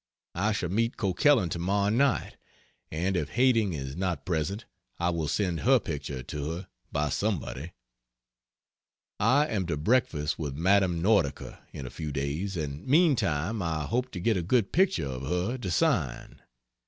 I shall meet Coquelin tomorrow night, and if Hading is not present I will send her picture to her by somebody. I am to breakfast with Madame Nordica in a few days, and meantime I hope to get a good picture of her to sign.